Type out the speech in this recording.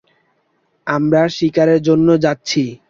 আমরা শিকারের জন্য যাচ্ছি!